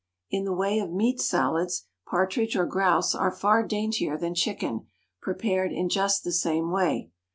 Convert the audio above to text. In the way of meat salads, partridge or grouse are far daintier than chicken, prepared in just the same way.